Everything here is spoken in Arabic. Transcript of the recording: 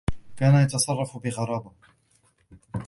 كان يتصرّف بغرابة.